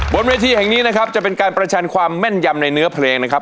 บนเวทีแห่งนี้นะครับจะเป็นการประชันความแม่นยำในเนื้อเพลงนะครับ